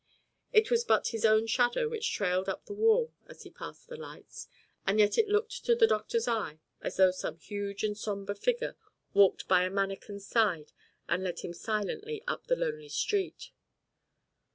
It was but his own shadow which trailed up the wall as he passed the lights, and yet it looked to the doctor's eye as though some huge and sombre figure walked by a manikin's side and led him silently up the lonely street.